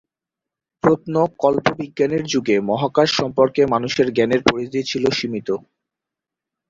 প্রত্ন-কল্পবিজ্ঞানের যুগে মহাকাশ সম্পর্কে মানুষের জ্ঞানের পরিধি ছিল সীমিত।